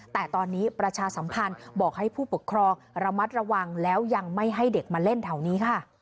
แต่ตอนนี้ประชาสัมพันธ์บอกให้ผู้ปกครองระมัดระวังแล้วยังไม่ให้เด็กมาเล่นแถวนี้ค่ะ